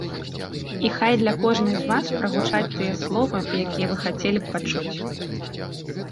І хай для кожнай з вас прагучаць тыя словы, якія вы хацелі б пачуць!